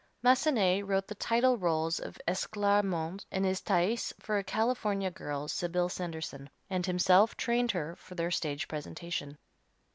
Massenet wrote the title rôles of his "Esclarmonde" and his "Thais" for a California girl, Sybil Sanderson, and himself trained her for their stage presentation.